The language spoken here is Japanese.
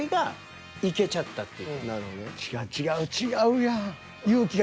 違う違う違うやん。